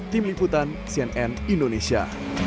tim liputan cnn indonesia